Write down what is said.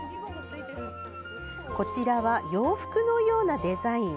こちらは、洋服のようなデザイン。